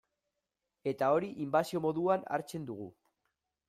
Eta hori inbasio moduan hartzen dugu.